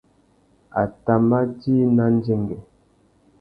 A tà mà djï nà ndzengüê.